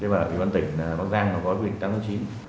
và ủy ban tỉnh bắc giang có quyết định tăng số chín